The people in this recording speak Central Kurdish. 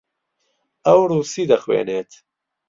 ئەو ڕووسی دەخوێنێت.